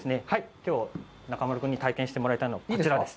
きょう、中丸君に体験してもらいたいのはこちらです。